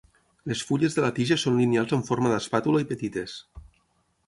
Les fulles de la tija són lineals amb forma d'espàtula i petites.